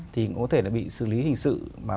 thì có thể là bị xử lý hình sự